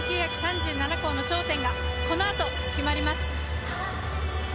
３９３７校の頂点がこの後、決まります。